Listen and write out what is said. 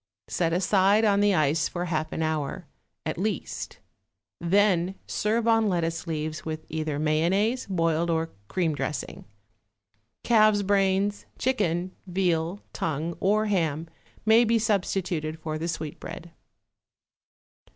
Set aside on the ice for half an hour, at least; then serve on lettuce leaves with either mayonnaise, boiled or cream dressing. Calf's brains, chicken, veal, tongue or ham may be substituted for the sweetbread.